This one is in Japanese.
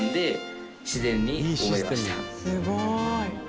すごい。